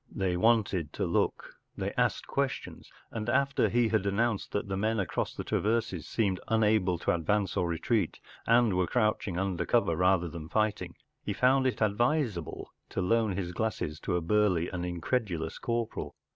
They wanted to look, they asked questions, and after he had announced that the men across the traverses seemed unable to advance or retreat, and were crouching under cover rather than fighting, he found it advisable to loan his glasses to a burly and incredulous corporal.